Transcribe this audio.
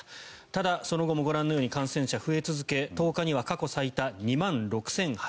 ただ、その後もご覧のように感染者、増え続け１０日には過去最多２万６０８７人。